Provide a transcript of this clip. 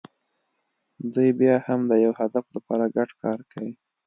دوی بیا هم د یوه هدف لپاره ګډ کار کوي.